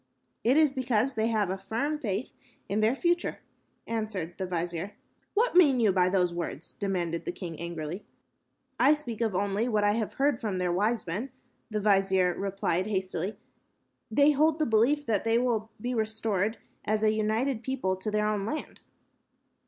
"It is because they have a firm faith in their future," answered the vizier. "What mean you by those words?" demanded the king, angrily. "I speak only of what I have heard from their wise men," the vizier replied, hastily. "They hold the belief that they will be restored as a united people to their own land."